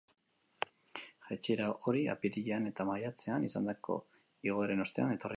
Jaitsiera hori apirilean eta maiatzean izandako igoeren ostean etorri da.